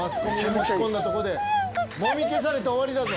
持ち込んだとこでもみ消されて終わりだぞ。